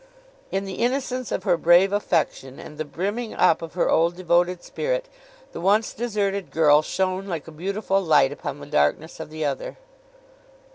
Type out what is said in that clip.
In the innocence of her brave affection, and the brimming up of her old devoted spirit, the once deserted girl shone like a beautiful light upon the darkness of the other.